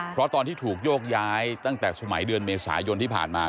เพราะตอนที่ถูกโยกย้ายตั้งแต่สมัยเดือนเมษายนที่ผ่านมา